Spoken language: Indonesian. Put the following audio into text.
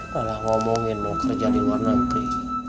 malah ngomongin mau kerja di luar negeri